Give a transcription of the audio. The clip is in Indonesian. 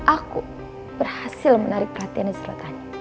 aku berhasil menarik perhatiannya selatanya